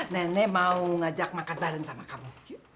nenek mau ngajak makan bareng sama kamu